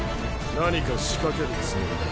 何か仕掛けるつもりだ。